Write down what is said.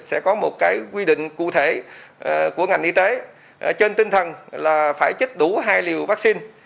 sẽ có một cái quy định cụ thể của ngành y tế trên tinh thần là phải trích đủ hai liều vaccine